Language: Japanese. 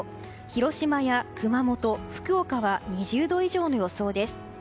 広島、熊本福岡は２０度以上の予想です。